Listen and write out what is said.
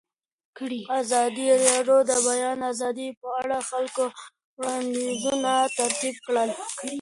ازادي راډیو د د بیان آزادي په اړه د خلکو وړاندیزونه ترتیب کړي.